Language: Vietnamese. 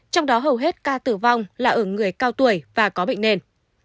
trong đó hầu hết ca tử vong là ở người cao tuổi và có bệnh nền